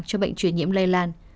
những chuyển nhiễm lây lan